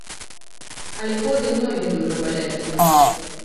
Але потым ногі дужа баляць.